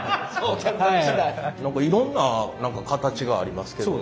何かいろんな形がありますけど。